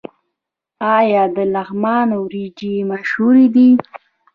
آیا د لغمان وریجې مشهورې دي؟